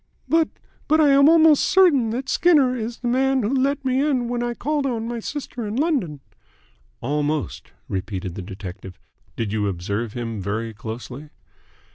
"But but I am almost certain that Skinner is the man who let me in when I called on my sister in London." "Almost," repeated the detective. "Did you observe him very closely?"